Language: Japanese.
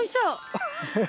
ハハハッ。